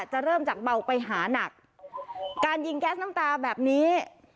จะเริ่มจากเบาไปหานักการยิงแก๊สน้ำตาแบบนี้